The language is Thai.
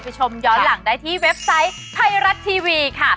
ชมย้อนหลังได้ที่เว็บไซต์ไทยรัฐทีวีค่ะ